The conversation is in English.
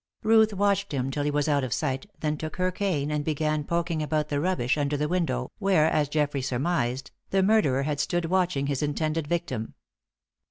Ruth watched him till he was out of sight, then took her cane and began poking about the rubbish under the window where, as Geoffrey surmised, the murderer had stood watching his intended victim.